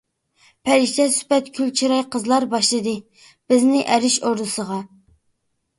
پەرىشتە سۈپەت گۈل چىراي قىزلار، باشلىدى بىزنى ئەرش ئوردىسىغا.